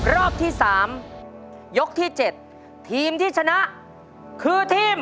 รอบที่สามยกที่เจ็ดทีมที่ชนะคือทีม